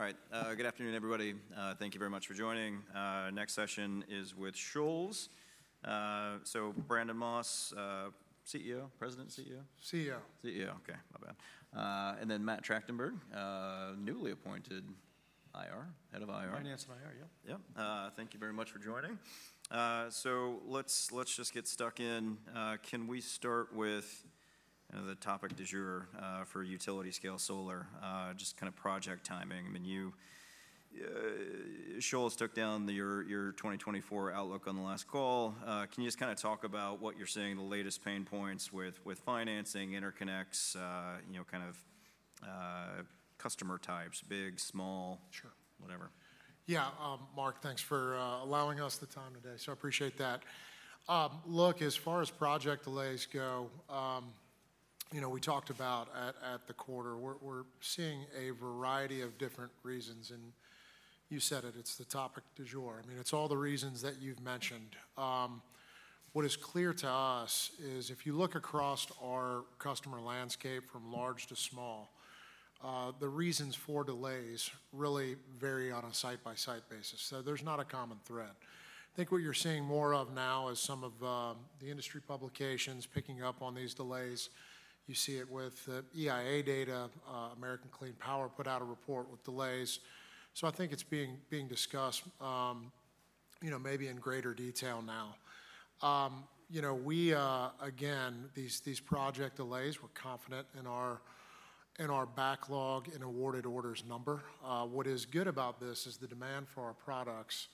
Okay, we're ready? All right, good afternoon, everybody. Thank you very much for joining. Next session is with Shoals. So Brandon Moss, CEO, president, CEO? CEO. CEO. Okay, my bad. And then Matt Tractenberg, newly appointed IR, head of IR? Finance and IR, yep. Yep. Thank you very much for joining. So let's just get stuck in. Can we start with, you know, the topic du jour, for utility-scale solar? Just kinda project timing. I mean, you, Shoals took down your 2024 outlook on the last call. Can you just kinda talk about what you're seeing, the latest pain points with financing, interconnects, you know, kind of customer types, big, small- Sure. Whatever. Yeah, Mark, thanks for allowing us the time today, so appreciate that. Look, as far as project delays go, you know, we talked about at the quarter, we're seeing a variety of different reasons, and you said it, it's the topic du jour. I mean, it's all the reasons that you've mentioned. What is clear to us is if you look across our customer landscape, from large to small, the reasons for delays really vary on a site-by-site basis, so there's not a common thread. I think what you're seeing more of now is some of the industry publications picking up on these delays. You see it with the EIA data. American Clean Power put out a report with delays, so I think it's being discussed, you know, maybe in greater detail now. You know, we... Again, these project delays, we're confident in our backlog and awarded orders number. What is good about this is the demand for our products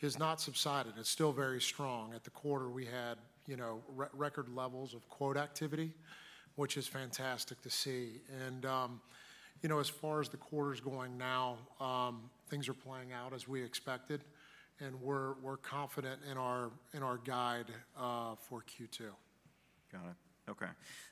has not subsided. It's still very strong. At the quarter, we had, you know, re-record levels of quote activity, which is fantastic to see. And, you know, as far as the quarter's going now, things are playing out as we expected, and we're confident in our guide for Q2. Got it. Okay.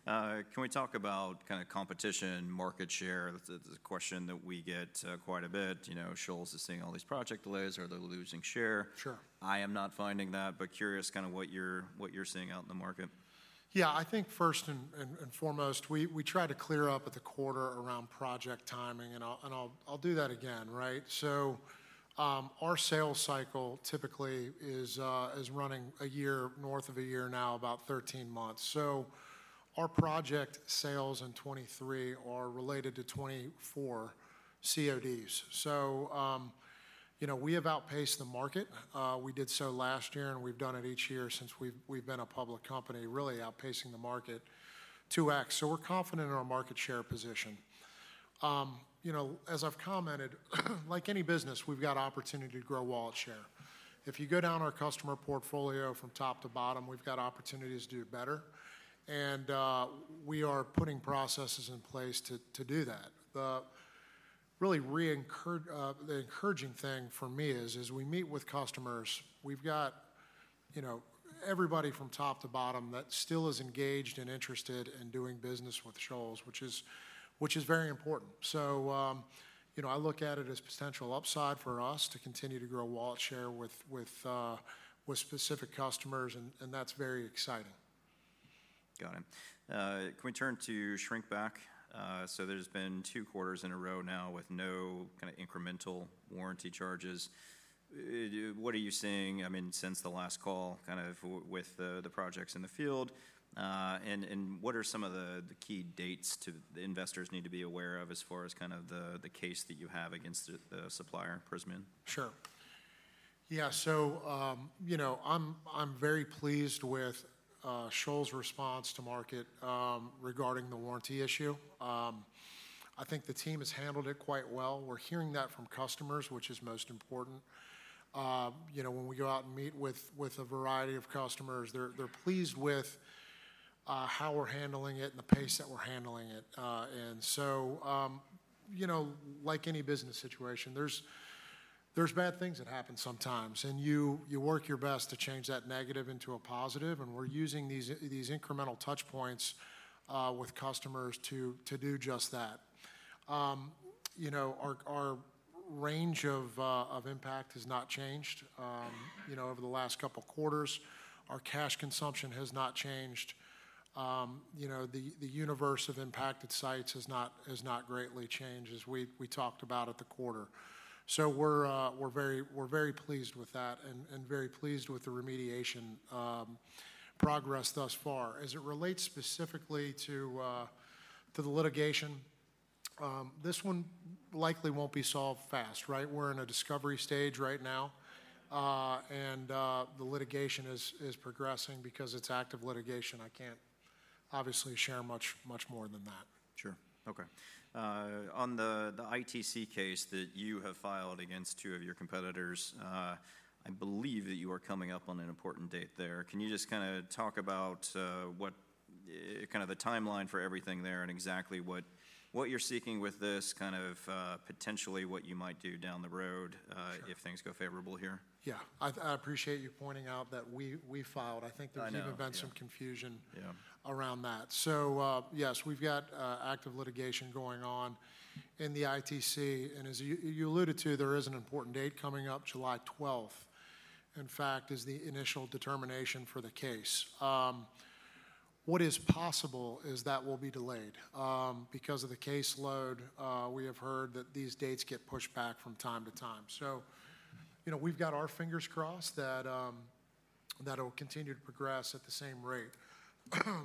Can we talk about kinda competition, market share? That's a question that we get quite a bit. You know, "Shoals is seeing all these project delays. Are they losing share? Sure. I am not finding that, but curious kinda what you're seeing out in the market. Yeah, I think first and foremost, we try to clear up at the quarter around project timing, and I'll do that again, right? So, our sales cycle typically is running a year, north of a year now, about 13 months. So our project sales in 2023 are related to 2024 CODs. So, you know, we have outpaced the market. We did so last year, and we've done it each year since we've been a public company, really outpacing the market 2x. So we're confident in our market share position. You know, as I've commented, like any business, we've got opportunity to grow wallet share. If you go down our customer portfolio from top to bottom, we've got opportunities to do better, and we are putting processes in place to do that. The really encouraging thing for me is, as we meet with customers, we've got, you know, everybody from top to bottom that still is engaged and interested in doing business with Shoals, which is, which is very important. So, you know, I look at it as potential upside for us to continue to grow wallet share with, with, with specific customers, and, and that's very exciting. Got it. Can we turn to shrink back? So there's been two quarters in a row now with no kinda incremental warranty charges. What are you seeing, I mean, since the last call, kind of with the projects in the field? And what are some of the key dates that the investors need to be aware of as far as kind of the case that you have against the supplier, Prysmian? Sure. Yeah, so, you know, I'm very pleased with Shoals' response to market regarding the warranty issue. I think the team has handled it quite well. We're hearing that from customers, which is most important. You know, when we go out and meet with a variety of customers, they're pleased with how we're handling it and the pace that we're handling it. And so, you know, like any business situation, there's bad things that happen sometimes, and you work your best to change that negative into a positive, and we're using these incremental touch points with customers to do just that. You know, our range of impact has not changed. You know, over the last couple quarters, our cash consumption has not changed. You know, the universe of impacted sites has not greatly changed, as we talked about at the quarter. So we're very pleased with that and very pleased with the remediation progress thus far. As it relates specifically to the litigation, this one likely won't be solved fast, right? We're in a discovery stage right now, and the litigation is progressing. Because it's active litigation, I can't obviously share much more than that Sure. Okay. On the ITC case that you have filed against two of your competitors, I believe that you are coming up on an important date there. Can you just kinda talk about what kind of the timeline for everything there and exactly what you're seeking with this, kind of, potentially what you might do down the road if things go favorable here? Yeah. I appreciate you pointing out that we, we filed. I know. I think there seem to have been some confusion around that. So, yes, we've got active litigation going on in the ITC, and as you alluded to, there is an important date coming up, July 12th, in fact, is the initial determination for the case. What is possible is that will be delayed. Because of the caseload, we have heard that these dates get pushed back from time to time. So, you know, we've got our fingers crossed that that it'll continue to progress at the same rate.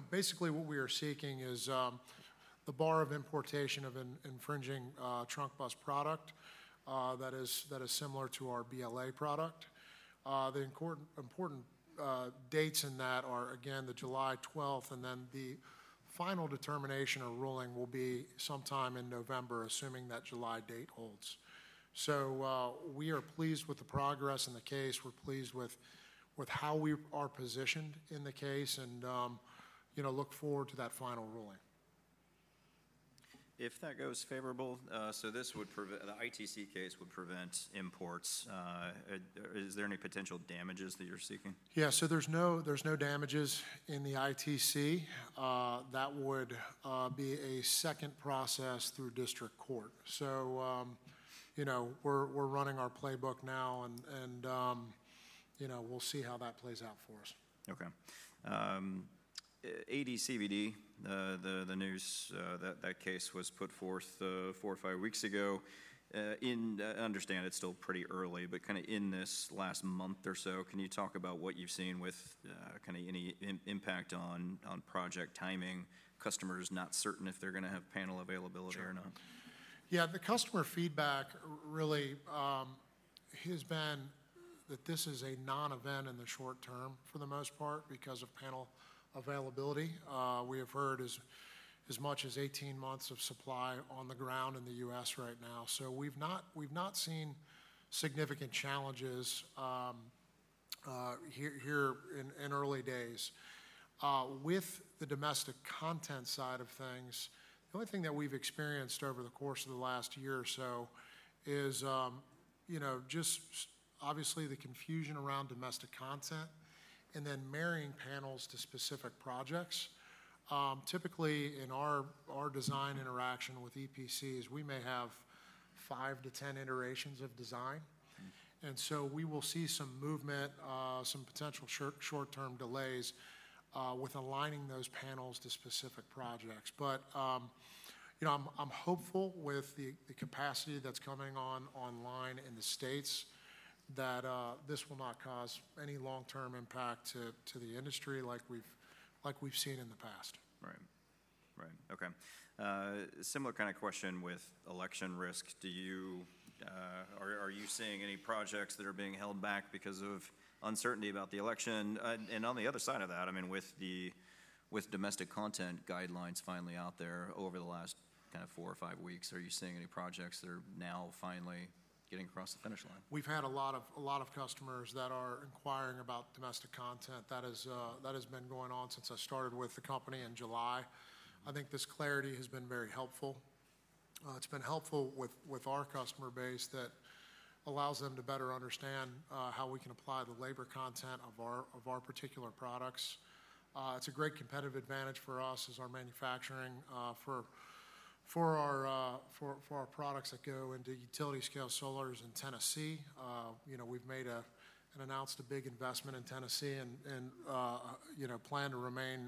Basically, what we are seeking is the bar of importation of infringing trunk bus product that is similar to our BLA product. The important dates in that are, again, the July 12th, and then the final determination or ruling will be sometime in November, assuming that July date holds. We are pleased with the progress in the case. We're pleased with, with how we are positioned in the case and, you know, look forward to that final ruling. If that goes favorable, the ITC case would prevent imports. Is there any potential damages that you're seeking? Yeah. So there's no damages in the ITC. That would be a second process through district court. So, you know, we're running our playbook now and, you know, we'll see how that plays out for us. Okay. AD/CVD, the news that case was put forth four or five weeks ago. I understand it's still pretty early, but kinda in this last month or so, can you talk about what you've seen with kinda any impact on project timing, customers not certain if they're gonna have panel availability or not? Sure. Yeah, the customer feedback really has been that this is a non-event in the short term for the most part, because of panel availability. We have heard as much as 18 months of supply on the ground in the U.S. right now. So we've not seen significant challenges here in early days. With the domestic content side of things, the only thing that we've experienced over the course of the last year or so is, you know, just obviously the confusion around domestic content, and then marrying panels to specific projects. Typically, in our design interaction with EPCs, we may have 5 to 10 iterations of design. And so we will see some movement, some potential short-term delays with aligning those panels to specific projects. But, you know, I'm hopeful with the capacity that's coming on online in the States, that this will not cause any long-term impact to the industry like we've seen in the past. Right. Right. Okay. Similar kind of question with election risk: Are you seeing any projects that are being held back because of uncertainty about the election? And on the other side of that, I mean, with domestic content guidelines finally out there over the last kind of four or five weeks, are you seeing any projects that are now finally getting across the finish line? We've had a lot of customers that are inquiring about domestic content. That is, that has been going on since I started with the company in July. I think this clarity has been very helpful. It's been helpful with our customer base, that allows them to better understand how we can apply the labor content of our particular products. It's a great competitive advantage for us as our manufacturing for our products that go into utility-scale solar in Tennessee. You know, we've made and announced a big investment in Tennessee and, you know, plan to remain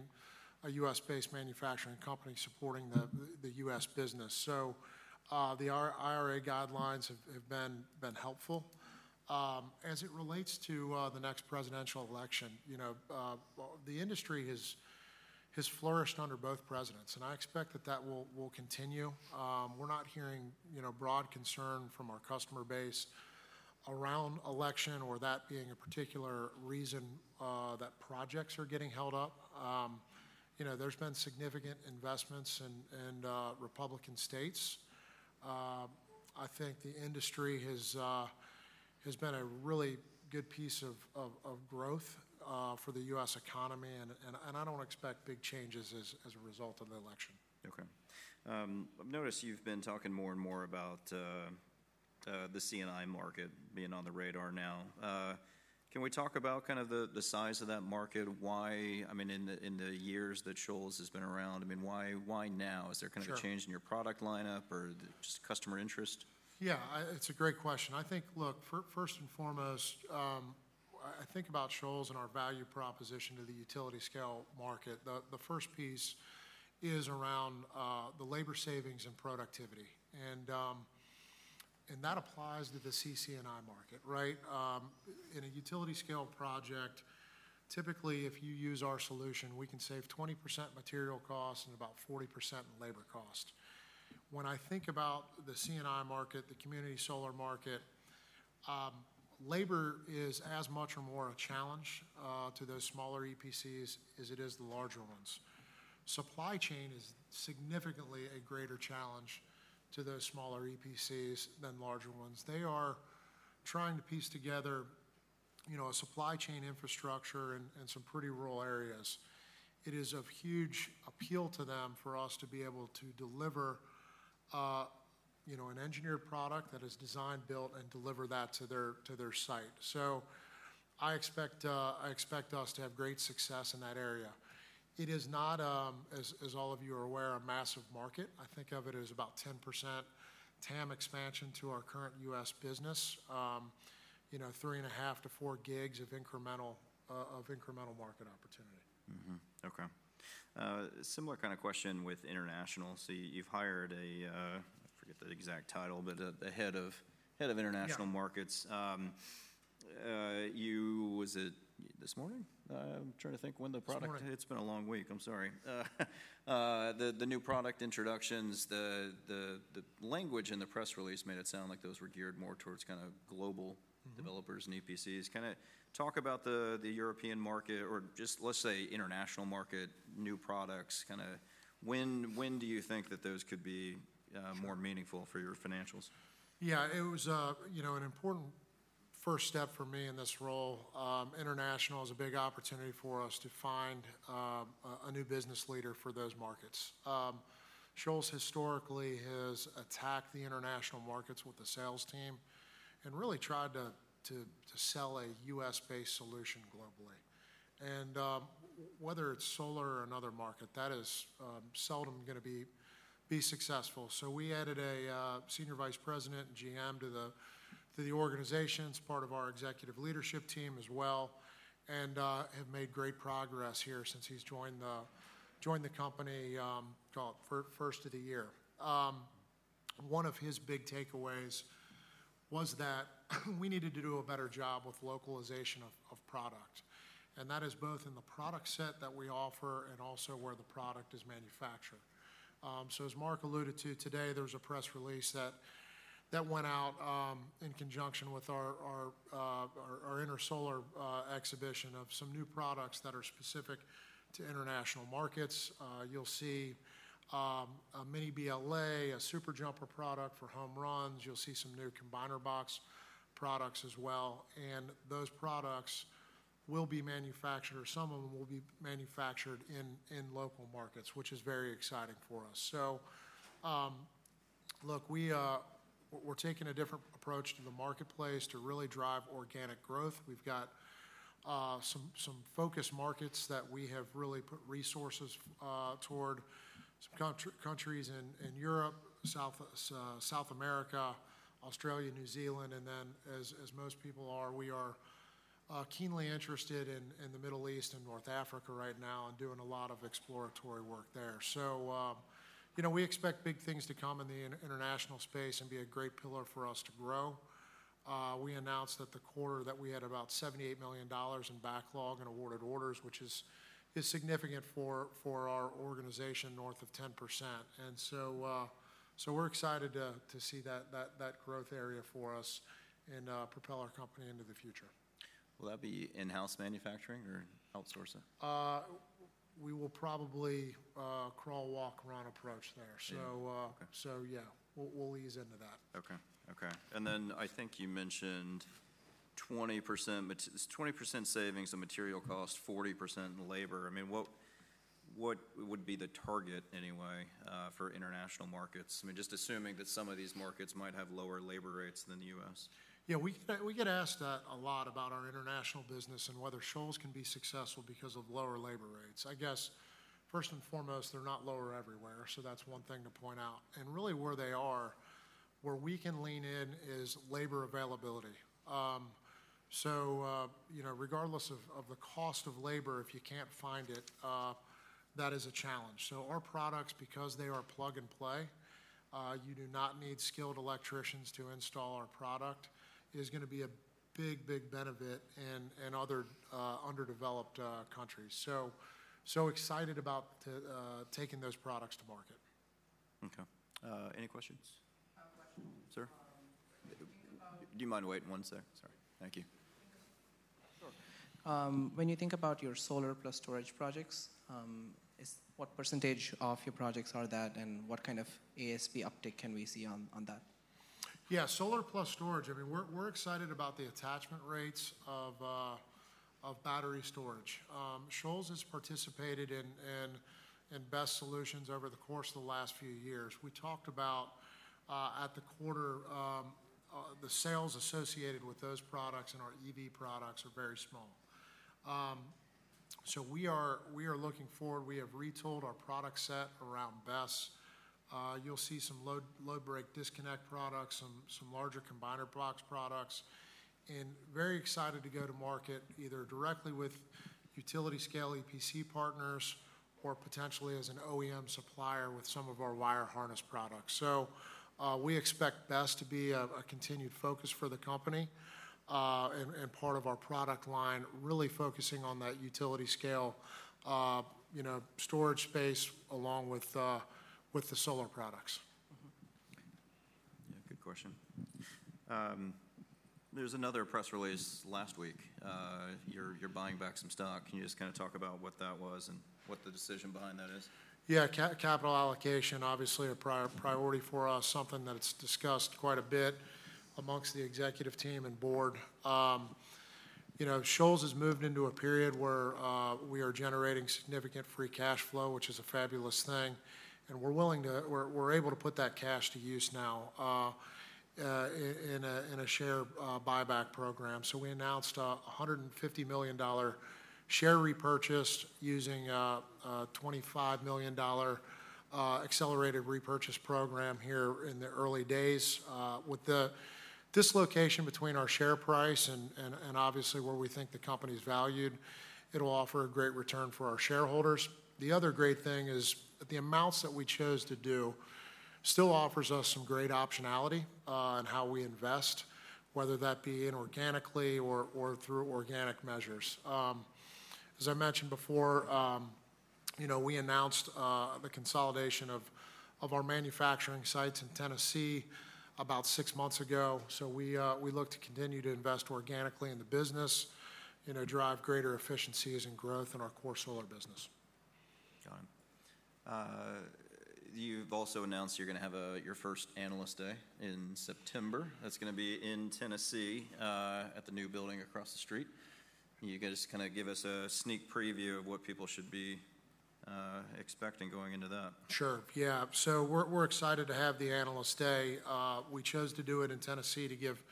a U.S.-based manufacturing company supporting the U.S. business. So, our IRA guidelines have been helpful. As it relates to the next presidential election, you know, well, the industry has flourished under both presidents, and I expect that will continue. We're not hearing, you know, broad concern from our customer base around election or that being a particular reason that projects are getting held up. You know, there's been significant investments in Republican states. I think the industry has been a really good piece of growth for the U.S. economy, and I don't expect big changes as a result of the election. Okay. I've noticed you've been talking more and more about, the C&I market being on the radar now. Can we talk about kind of the size of that market? Why—I mean, in the years that Shoals has been around, I mean, why, why now? Sure. Is there kind of a change in your product lineup or just customer interest? Yeah, it's a great question. I think, look, first and foremost, I think about Shoals and our value proposition to the utility-scale market. The first piece is around the labor savings and productivity, and that applies to the C&I market, right? In a utility-scale project, typically, if you use our solution, we can save 20% material costs and about 40% in labor cost. When I think about the C&I market, the community solar market, labor is as much or more a challenge to those smaller EPCs as it is the larger ones. Supply chain is significantly a greater challenge to those smaller EPCs than larger ones. They are trying to piece together, you know, a supply chain infrastructure in some pretty rural areas. It is of huge appeal to them for us to be able to deliver, you know, an engineered product that is designed, built, and deliver that to their, to their site. So I expect, I expect us to have great success in that area. It is not, as all of you are aware, a massive market. I think of it as about 10% TAM expansion to our current U.S. business. You know, 3.5-4 gigs of incremental, of incremental market opportunity. Mm-hmm. Okay. Similar kind of question with international. So you, you've hired a, I forget the exact title, but, a head of, head of international markets. Yeah. Was it this morning? I'm trying to think when the product- This morning. It's been a long week. I'm sorry. The new product introductions, the language in the press release made it sound like those were geared more towards kinda global developers and EPCs. Kinda talk about the European market or just, let's say, international market, new products, kinda when do you think that those could be more meaningful for your financials? Yeah, it was, you know, an important first step for me in this role. International is a big opportunity for us to find a new business leader for those markets. Shoals historically has attacked the international markets with the sales team and really tried to sell a U.S.-based solution globally. And whether it's solar or another market, that is seldom gonna be successful. So we added a senior vice president and GM to the organization. He's part of our executive leadership team as well, and have made great progress here since he's joined the company, call it first of the year. One of his big takeaways was that we needed to do a better job with localization of product, and that is both in the product set that we offer and also where the product is manufactured. So as Mark alluded to today, there was a press release that went out in conjunction with our Intersolar exhibition of some new products that are specific to international markets. You'll see a Mini BLA, a SuperJumper product for home runs. You'll see some new combiner box products as well, and those products will be manufactured, or some of them will be manufactured in local markets, which is very exciting for us. So, look, we're taking a different approach to the marketplace to really drive organic growth. We've got some focus markets that we have really put resources toward, some countries in Europe, South America, Australia, New Zealand, and then as most people are, we are keenly interested in the Middle East and North Africa right now and doing a lot of exploratory work there. So, you know, we expect big things to come in the international space and be a great pillar for us to grow. We announced in the quarter that we had about $78 million in backlog and awarded orders, which is significant for our organization, north of 10%. So, we're excited to see that growth area for us and propel our company into the future. Will that be in-house manufacturing or outsourcing? We will probably crawl, walk, run approach there. Okay. So, yeah, we'll ease into that. Okay. Okay. Then I think you mentioned 20% savings on material cost, 40% in labor. I mean, what would be the target anyway for international markets? I mean, just assuming that some of these markets might have lower labor rates than the U.S. Yeah, we get, we get asked that a lot about our international business and whether Shoals can be successful because of lower labor rates. I guess, first and foremost, they're not lower everywhere, so that's one thing to point out. And really, where they are, where we can lean in is labor availability. So, you know, regardless of the cost of labor, if you can't find it, that is a challenge. So our products, because they are plug-and-play, you do not need skilled electricians to install our product, is gonna be a big, big benefit in other underdeveloped countries. So excited about taking those products to market. Okay. Any questions? Sir. Do you mind waiting one sec? Sorry. Thank you. Sure. When you think about your solar-plus-storage projects, what percentage of your projects are that, and what kind of ASP uptick can we see on that? Yeah, solar-plus-storage, I mean, we're excited about the attachment rates of battery storage. Shoals has participated in BESS solutions over the course of the last few years. We talked about, at the quarter, the sales associated with those products and our EV products are very small. So we are looking forward. We have retooled our product set around BESS. You'll see some load break disconnect products, some larger combiner box products, and very excited to go to market, either directly with utility-scale EPC partners or potentially as an OEM supplier with some of our wire harness products. So, we expect BESS to be a continued focus for the company, and part of our product line, really focusing on that Utility Scale, you know, storage space, along with the solar products. Mm-hmm. Yeah, good question. There was another press release last week. You're buying back some stock. Can you just kinda talk about what that was and what the decision behind that is? Yeah. Capital allocation, obviously a priority for us, something that's discussed quite a bit amongst the executive team and board. You know, Shoals has moved into a period where we are generating significant free cash flow, which is a fabulous thing, and we're able to put that cash to use now in a share buyback program. So we announced a $150 million share repurchase using a $25 million accelerated repurchase program here in the early days. With the dislocation between our share price and obviously where we think the company's valued, it'll offer a great return for our shareholders. The other great thing is the amounts that we chose to do still offers us some great optionality, in how we invest, whether that be inorganically or through organic measures. As I mentioned before, you know, we announced the consolidation of our manufacturing sites in Tennessee about six months ago. So we look to continue to invest organically in the business, you know, drive greater efficiencies and growth in our core solar business. Got it. You've also announced you're gonna have your first Analyst Day in September. That's gonna be in Tennessee, at the new building across the street. You guys kinda give us a sneak preview of what people should be expecting going into that? Sure. Yeah. So we're excited to have the Analyst Day. We chose to do it in Tennessee to give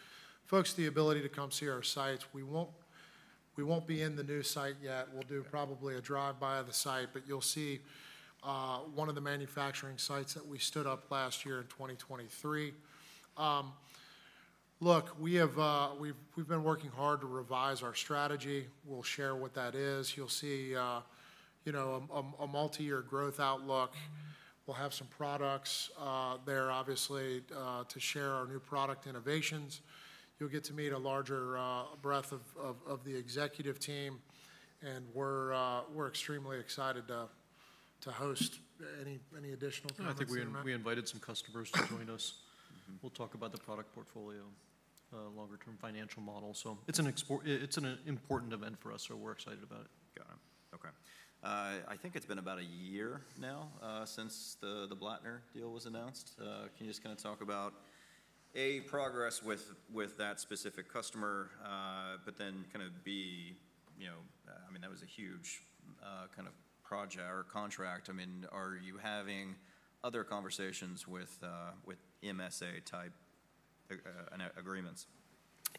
folks the ability to come see our sites. We won't be in the new site yet. We'll do probably a drive-by of the site, but you'll see one of the manufacturing sites that we stood up last year in 2023. Look, we've been working hard to revise our strategy. We'll share what that is. You'll see, you know, a multi-year growth outlook. We'll have some products there, obviously, to share our new product innovations. You'll get to meet a larger breadth of the executive team, and we're extremely excited to host. Any additional comments, Matt? I think we invited some customers to join us. We'll talk about the product portfolio, longer term financial model. So it's an important event for us, so we're excited about it. Got it. Okay. I think it's been about a year now, since the Blattner deal was announced. Can you just kinda talk about, A, progress with that specific customer, but then kind of, B, you know, I mean, that was a huge kind of project or contract. I mean, are you having other conversations with MSA-type agreements?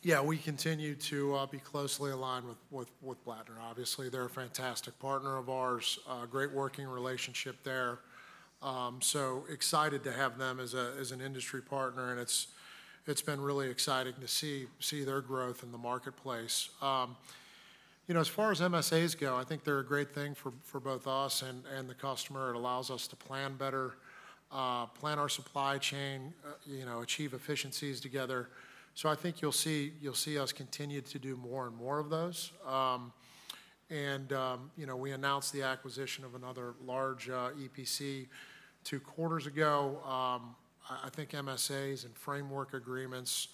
Yeah, we continue to be closely aligned with Blattner. Obviously, they're a fantastic partner of ours. Great working relationship there. So excited to have them as an industry partner, and it's been really exciting to see their growth in the marketplace. You know, as far as MSAs go, I think they're a great thing for both us and the customer. It allows us to plan better, plan our supply chain, you know, achieve efficiencies together. So I think you'll see us continue to do more and more of those. And you know, we announced the acquisition of another large EPC two quarters ago. I think MSAs and framework agreements,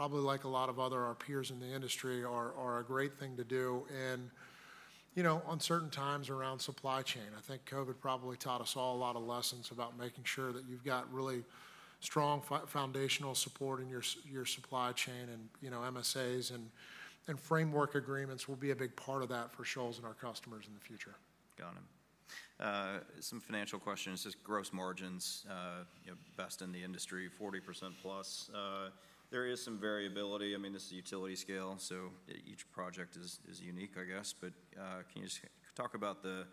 probably like a lot of other our peers in the industry, are a great thing to do in, you know, uncertain times around supply chain. I think COVID probably taught us all a lot of lessons about making sure that you've got really strong foundational support in your supply chain. And, you know, MSAs and framework agreements will be a big part of that for Shoals and our customers in the future. Got it. Some financial questions, just gross margins, you know, best in the industry, 40% plus. There is some variability. I mean, this is Utility Scale, so each project is unique, I guess. But, can you just talk about the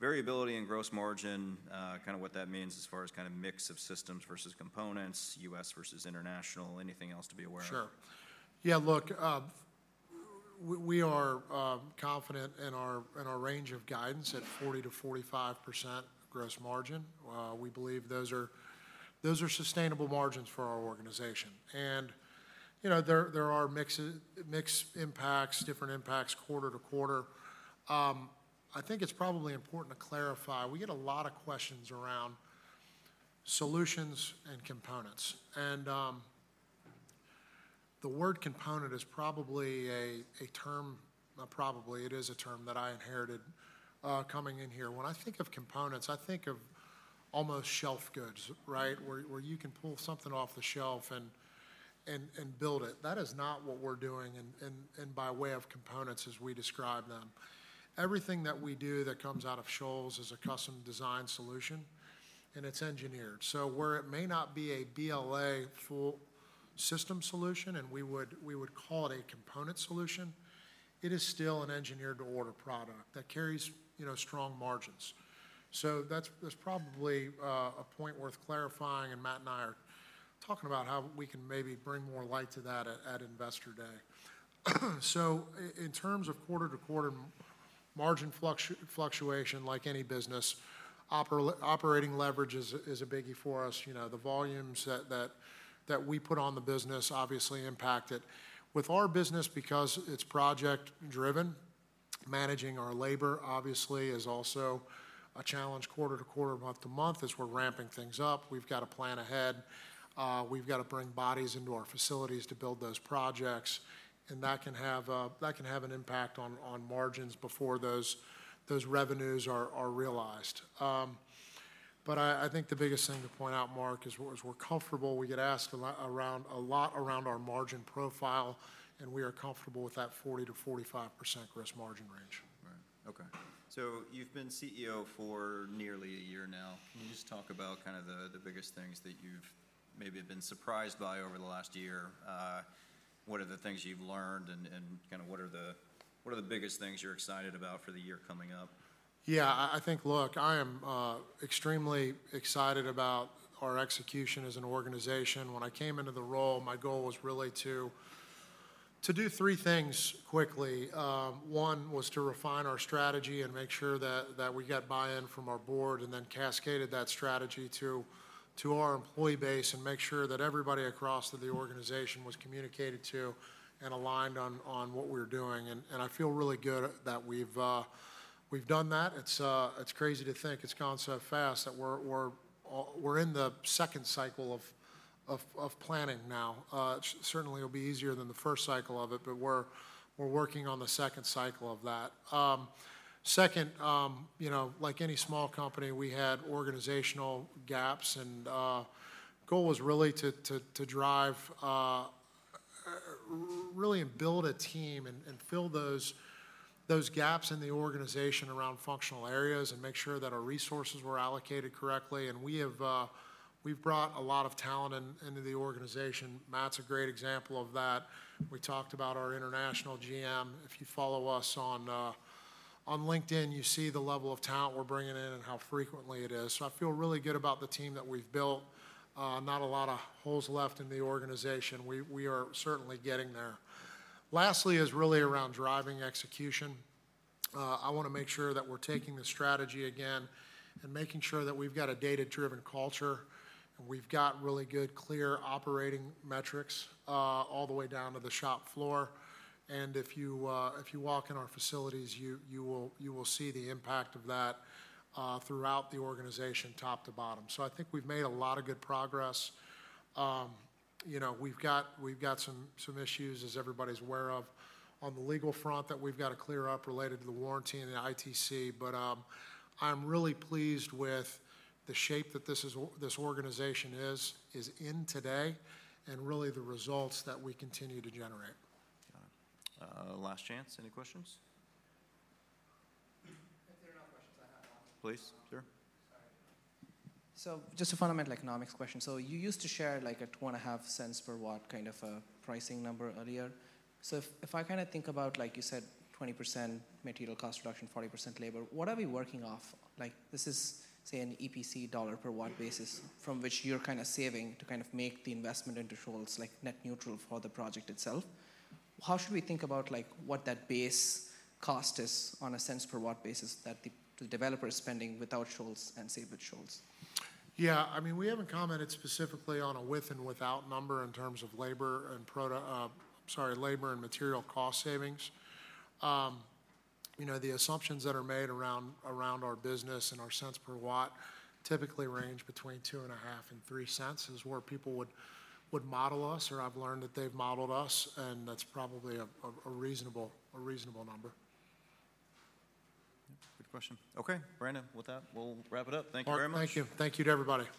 variability in gross margin, kinda what that means as far as kinda mix of systems versus components, U.S. versus International, anything else to be aware of? Sure. Yeah, look, we are confident in our range of guidance at 40%-45% gross margin. We believe those are sustainable margins for our organization. And, you know, there are mixes, mixed impacts, different impacts quarter to quarter. I think it's probably important to clarify, we get a lot of questions around solutions and components, and the word component is probably a term that I inherited coming in here. When I think of components, I think of almost shelf goods, right? Where you can pull something off the shelf and build it. That is not what we're doing and by way of components as we describe them. Everything that we do that comes out of Shoals is a custom-designed solution, and it's engineered. So where it may not be a BLA full system solution, and we would, we would call it a component solution, it is still an engineered-to-order product that carries, you know, strong margins. So that's, that's probably a point worth clarifying, and Matt and I are talking about how we can maybe bring more light to that at Investor Day. So in terms of quarter-to-quarter margin fluctuation, like any business, operating leverage is a, is a biggie for us. You know, the volumes that we put on the business obviously impact it. With our business, because it's project driven, managing our labor, obviously, is also a challenge quarter to quarter, month to month. As we're ramping things up, we've got to plan ahead. We've got to bring bodies into our facilities to build those projects, and that can have an impact on margins before those revenues are realized. But I think the biggest thing to point out, Mark, is we're comfortable. We get asked a lot around our margin profile, and we are comfortable with that 40%-45% gross margin range. Right. Okay. So you've been CEO for nearly a year now. Can you just talk about kind of the biggest things that you've maybe been surprised by over the last year? What are the things you've learned and kinda what are the biggest things you're excited about for the year coming up? Yeah, I think, look, I am extremely excited about our execution as an organization. When I came into the role, my goal was really to do three things quickly. One was to refine our strategy and make sure that we got buy-in from our board, and then cascaded that strategy to our employee base, and make sure that everybody across the organization was communicated to and aligned on what we're doing. And I feel really good that we've done that. It's crazy to think it's gone so fast that we're in the second cycle of planning now. Certainly it'll be easier than the first cycle of it, but we're working on the second cycle of that. Second, you know, like any small company, we had organizational gaps, and goal was really to drive really build a team and fill those gaps in the organization around functional areas and make sure that our resources were allocated correctly. And we've brought a lot of talent into the organization. Matt's a great example of that. We talked about our International GM. If you follow us on LinkedIn, you see the level of talent we're bringing in and how frequently it is. So I feel really good about the team that we've built. Not a lot of holes left in the organization. We are certainly getting there. Lastly, is really around driving execution. I wanna make sure that we're taking the strategy again and making sure that we've got a data-driven culture, and we've got really good, clear operating metrics all the way down to the shop floor. And if you walk in our facilities, you will see the impact of that throughout the organization, top to bottom. So I think we've made a lot of good progress. You know, we've got some issues, as everybody's aware of, on the legal front that we've got to clear up related to the warranty and the ITC. But I'm really pleased with the shape that this organization is in today and really the results that we continue to generate. Got it. Last chance. Any questions? Please, sir. So, just a fundamental economics question. So you used to share, like, a $0.025 per watt, kind of a pricing number earlier. So if I kinda think about, like you said, 20% material cost reduction, 40% labor, what are we working off? Like, this is, say, an EPC dollar per watt basis, from which you're kinda saving to kind of make the investment into Shoals, like net neutral for the project itself. How should we think about, like, what that base cost is on a cents per watt basis that the developer is spending without Shoals and save with Shoals? Yeah, I mean, we haven't commented specifically on a with and without number in terms of labor and material cost savings. You know, the assumptions that are made around our business and our cents per watt typically range between $0.025 and $0.03, is where people would model us, or I've learned that they've modeled us, and that's probably a reasonable number. Good question. Okay, Brandon, with that, we'll wrap it up. Thank you very much. All right, thank you. Thank you to everybody.